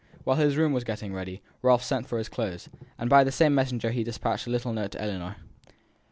While his room was getting ready, Ralph sent for his clothes, and by the same messenger he despatched the little note to Ellinor.